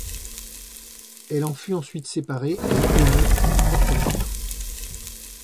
Elle en fut ensuite séparée et élut son propre maire.